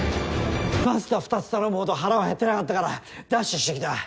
パスタ２つ頼むほど腹は減ってなかったからダッシュしてきた。